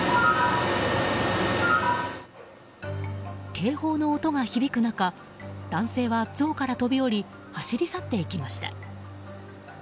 警報の音が響く中男性は像から飛び降り走り去っていきました。